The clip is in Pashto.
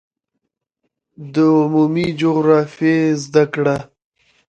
د عمومي جغرافیې زده کړه